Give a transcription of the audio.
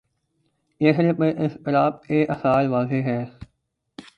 چہرے پہ اضطراب کے آثار واضح ہیں۔